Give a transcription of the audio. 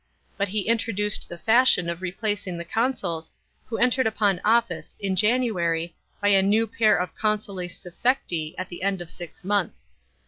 But he introduced the fashion of replacing the consuls who entered upon office in January by a new pair of consules suffecti at the end of six months.